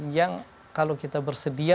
yang kalau kita bersedia